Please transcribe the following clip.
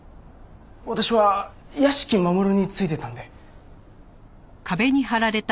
私は屋敷マモルについてたんで。